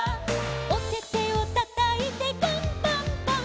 「おててをたたいてパンパンパン！！」